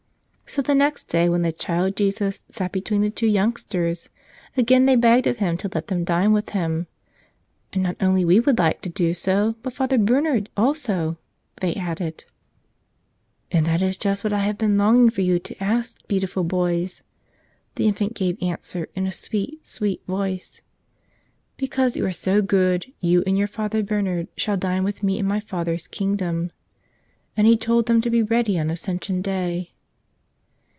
So the next day, when the Child Jesus sat between the two youngsters again they begged of Him to let them dine with Him, too. "And not only we would like to do so, but Father Bernard also," they added. 81 " Tell Us Another! " "And that is just what I have been longing for you to ask, beautiful boys," the Infant gave answer in a sweet, sweet voice. "Because you are so good, you and your Father Bernard shall dine with Me in My Father's kingdom." And He told them to be ready on Ascension Day.